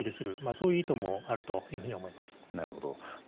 そういう意図もあると思います。